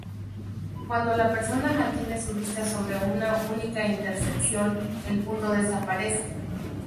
Cuando la persona mantiene su vista sobre una única intersección, el punto desaparece.